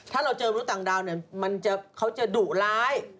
ถ้าเราเจอมนุษย์ต่างดาวเนี่ยเขาจะดุร้าย